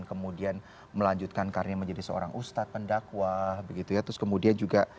kemudian melanjutkan karya menjadi seorang ustadz pendakwah begitu ya terus kemudian juga